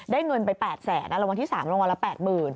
เงินไป๘แสนรางวัลที่๓รางวัลละ๘๐๐๐